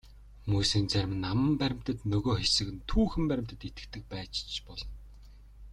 Хүмүүсийн зарим нь аман баримтад, нөгөө хэсэг нь түүхэн баримтад итгэдэг байж ч болно.